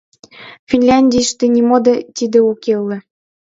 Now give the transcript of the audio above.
Финляндийыште нимо тиде уке ыле.